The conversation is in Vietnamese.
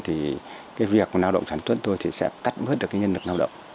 thì cái việc nào động sản xuất tôi thì sẽ cắt bớt được cái nhân lực nào động